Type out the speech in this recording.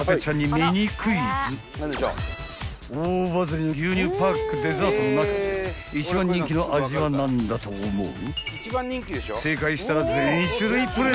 ［大バズりの牛乳パックデザートの中で一番人気の味は何だと思う？］